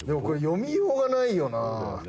読みようがないよな。